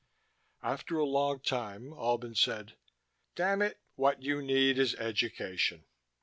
After a long time Albin said. "Damn it, what you need is education.